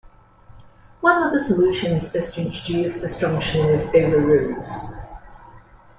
One of the solutions is to introduce disjunction with over rules.